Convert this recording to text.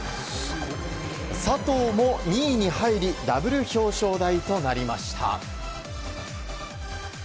佐藤も２位に入りダブル表彰台となりました。